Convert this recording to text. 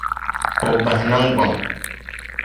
O bahi niŋgbuŋ.